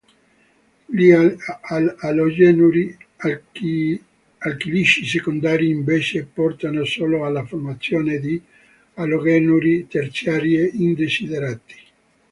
Gli alogenuri alchilici secondari, invece, portano solo alla formazione di alogenuri terziari indesiderati.